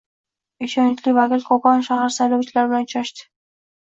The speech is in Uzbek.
Ishonchli vakil Kogon shahar saylovchilari bilan uchrashdi